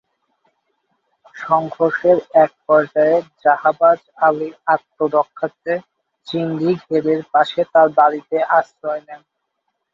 সংঘর্ষের একপর্যায়ে জাহাবাজ আলী আত্মরক্ষার্থে চিংড়ি ঘেরের পাশে তাঁর বাড়িতে আশ্রয় নেন।